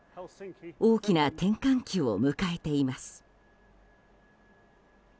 大きな転換期を迎えています。